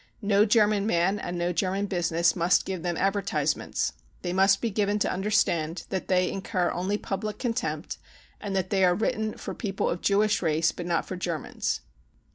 No German man and no German business must give them advertisements. They must be given to understand that they incur only public contempt and that they are written for people of Jewish race but not for Germans.